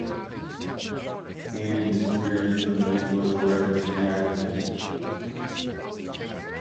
Menen disappears from the historical record soon after this.